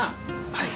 はい。